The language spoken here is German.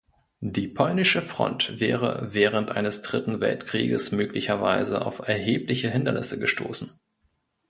Die polnische Front wäre während eines Dritten Weltkrieges möglicherweise auf erhebliche Hindernisse gestoßen.